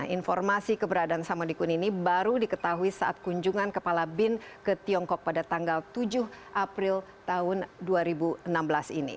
informasi keberadaan samadikun ini baru diketahui saat kunjungan kepala bin ke tiongkok pada tanggal tujuh april tahun dua ribu enam belas ini